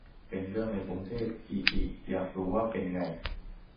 เป็นเรื่องใน กรุงเทพ อิอิ อยากดูว่าเป็นไง